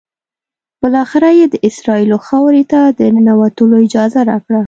بالآخره یې د اسرائیلو خاورې ته د ننوتلو اجازه راکړه.